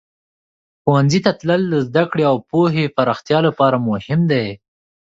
ښوونځي ته تلل د زده کړې او پوهې پراختیا لپاره مهم دی.